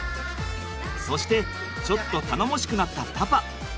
そしてちょっと頼もしくなったパパ。